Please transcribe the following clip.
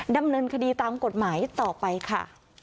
ดำเนินคดีตามกฎหมายต่อไปค่ะ